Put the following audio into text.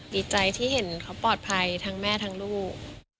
ดีใจที่เห็นเขาปลอดภัยทั้งแม่ทั้งลูก